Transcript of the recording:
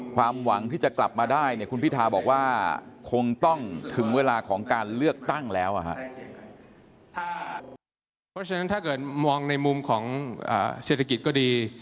หวังที่จะกลับมาได้เนี่ยคุณพิทาบอกว่าคงต้องถึงเวลาของการเลือกตั้งแล้วเพราะฉะนั้นถ้าเกิดมองในมุมของเศรษฐกิจก็ดี